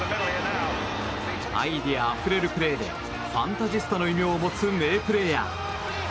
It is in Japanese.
アイデアあふれるプレーでファンタジスタの異名を持つ名プレーヤー。